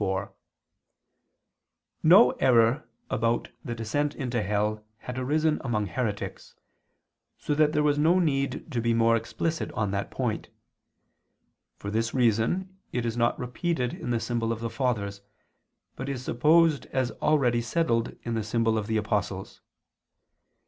4: No error about the descent into hell had arisen among heretics, so that there was no need to be more explicit on that point. For this reason it is not repeated in the symbol of the Fathers, but is supposed as already settled in the symbol of the Apostles.